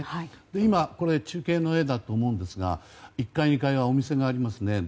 中継の画だと思うんですが１階、２階はお店があります。